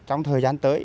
trong thời gian tới